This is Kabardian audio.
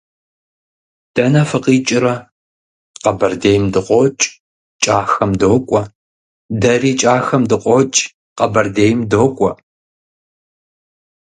- Дэнэ фыкъикӀрэ? - Къэбэрдейм дыкъокӀ, КӀахэм докӀуэ. - Дэри КӀахэм дыкъокӀ, Къэбэрдейм докӀуэ.